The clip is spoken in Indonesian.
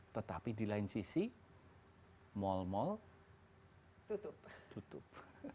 tetapi di lain sisi mal mal tutup